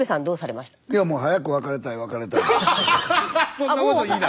そんなこと言いな。